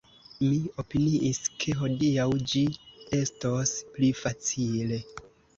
Mi opiniis, ke hodiaŭ ĝi estos pli facile!